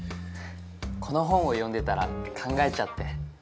この本を読んでたら考えちゃって。